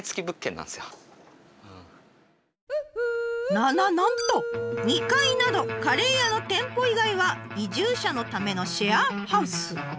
なななんと２階などカレー屋の店舗以外は移住者のためのシェアハウス。